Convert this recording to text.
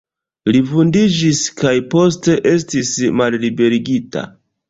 Li vundiĝis kaj poste estis malliberigita.